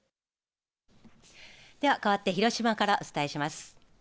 では、かわって広島からお伝えします。